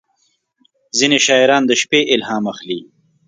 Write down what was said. • ځینې شاعران د شپې الهام اخلي.